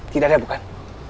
tidak ada bukan